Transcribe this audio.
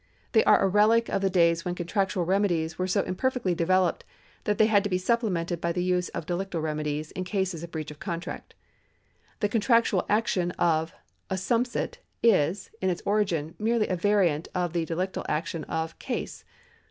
They are a relic of the days when contractual remedies were so imperfectly developed that they had to be supplemented by the use of delictal remedies in cases of breach of contract. The contractual action of assumpsit is, in its origin, merely a variant of the delictal action of case.